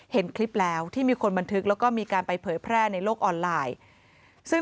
เห็นคลิปแล้วที่มีคนบันทึกแล้วก็มีการไปเผยแพร่ในโลกออนไลน์ซึ่ง